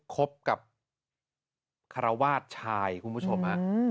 คบกับคารวาสชายคุณผู้ชม